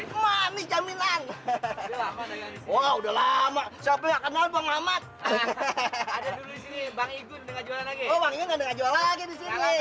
bayar dulu ah mendinggat aja lagi